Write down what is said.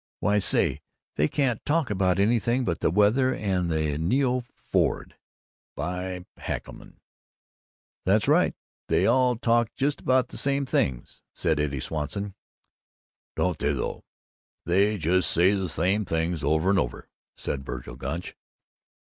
Why, say, they can't talk about anything but the weather and the ne oo Ford, by heckalorum!" "That's right. They all talk about just the same things," said Eddie Swanson. "Don't they, though! They just say the same things over and over," said Vergil Gunch.